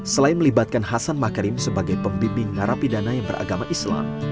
selain melibatkan hasan makarim sebagai pembimbing narapidana yang beragama islam